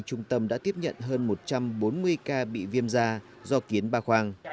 trung tâm đã tiếp nhận hơn một trăm bốn mươi ca bị viêm da do kiến ba khoang